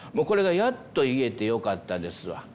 これがやっと言えてよかったですわ。